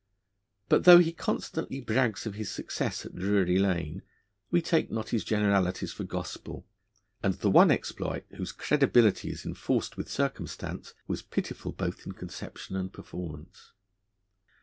But, though he constantly brags of his success at Drury Lane, we take not his generalities for gospel, and the one exploit whose credibility is enforced with circumstance was pitiful both in conception and performance.